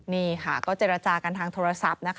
นี่ค่ะก็เจรจากันทางโทรศัพท์นะคะ